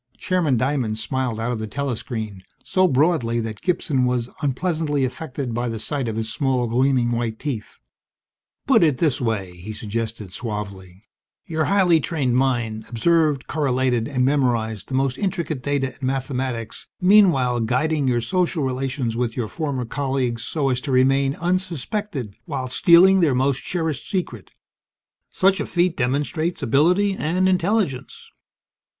Chairman Diamond smiled out of the telescreen, so broadly that Gibson was unpleasantly affected by the sight of his small, gleaming, white teeth. "Put it this way," he suggested suavely. "Your highly trained mind observed, correlated, and memorized the most intricate data and mathematics, meanwhile guiding your social relations with your former colleagues so as to remain unsuspected while stealing their most cherished secret. Such a feat demonstrates ability and intelligence."